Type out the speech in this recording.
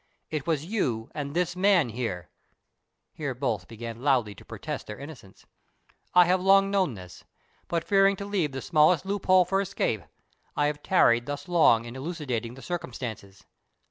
It was you and this man here. [Here both began loudly to protest their innocence.] I have long known this; but, fearing to leave the smallest loophole for escape, I have tarried thus long in elucidating the circumstances.